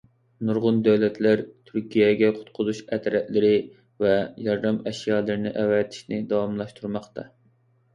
نۇرغۇن دۆلەتلەر تۈركىيەگە قۇتقۇزۇش ئەترەتلىرى ۋە ياردەم ئەشيالىرىنى ئەۋەتىشنى داۋاملاشتۇرماقتا.